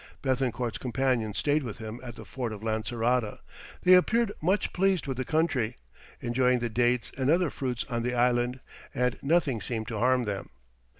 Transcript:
Béthencourt's companions stayed with him at the fort of Lancerota; they appeared much pleased with the country, enjoying the dates and other fruits on the island, "and nothing seemed to harm them."